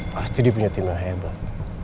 pasti dia punya tim yang hebat